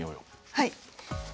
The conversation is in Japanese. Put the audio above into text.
はい。